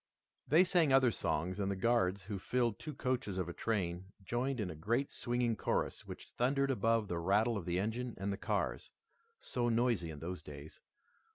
They sang other songs and the Guards, who filled two coaches of a train, joined in a great swinging chorus which thundered above the rattle of the engine and the cars, so noisy in those days.